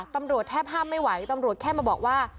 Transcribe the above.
ตำรวจแทบห้ามไม่ไหวตำรวจแค่มาบอกว่า